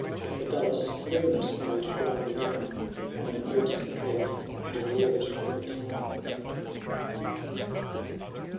With the dullest hermit I*d rather dine On an oaten cake and a draught of the Tyne.